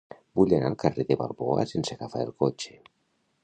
Vull anar al carrer de Balboa sense agafar el cotxe.